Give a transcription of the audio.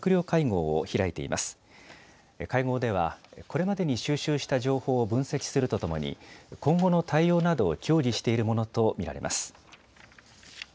会合ではこれまでに収集した情報を分析するとともに今後の対応などを協議しているものと見られます。